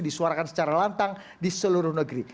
disuarakan secara lantang di seluruh negeri